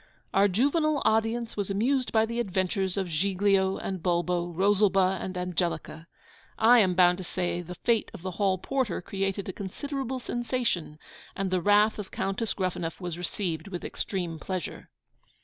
Our juvenile audience was amused by the adventures of Giglio and Bulbo, Rosalba and Angelica. I am bound to say the fate of the Hall Porter created a considerable sensation; and the wrath of Countess Gruffanuff was received with extreme pleasure.